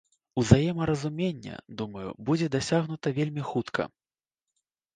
Узаемаразуменне, думаю, будзе дасягнута вельмі хутка.